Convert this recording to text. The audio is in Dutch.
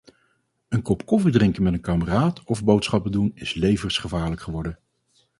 Een kop koffie drinken met een kameraad of boodschappen doen is levensgevaarlijk geworden.